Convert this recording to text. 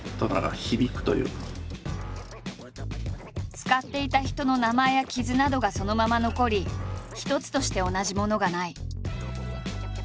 使っていた人の名前や傷などがそのまま残り一つとして同じものがない。